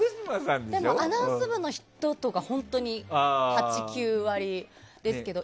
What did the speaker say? でもアナウンス部の人とが本当に８９割ですけど。